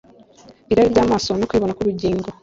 irari ryamaso no kwibona kubugingo